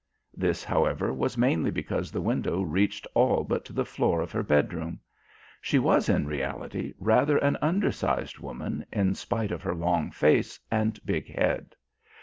This, however, was mainly because the window reached all but to the floor of her bedroom. She was in reality rather an under sized woman, in spite of her long face and big head.